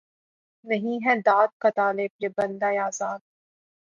نہیں ہے داد کا طالب یہ بندۂ آزاد